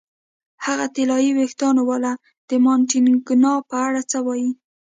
هغه طلايي وېښتانو والا، د مانتیګنا په اړه څه وایې؟